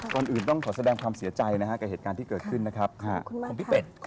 ก่อนอื่นต้องขอแสดงความเสียใจในเหตุการณ์ที่เกิดขึ้นของพี่เป็ด